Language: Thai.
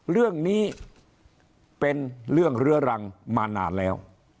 เรื่องนี้เป็นเรื่องเรื้อรังมานานแล้ว